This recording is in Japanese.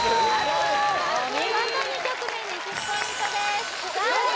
お見事２曲目２０ポイントですさあ